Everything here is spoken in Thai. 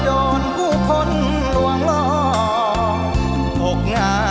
ช่วยฝังดินหรือกว่า